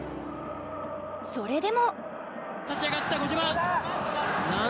それでも。